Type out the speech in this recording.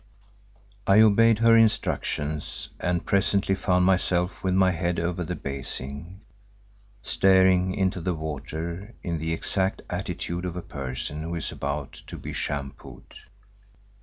I obeyed her instructions and presently found myself with my head over the basin, staring into the water in the exact attitude of a person who is about to be shampooed.